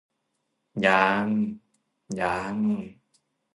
ยังยัง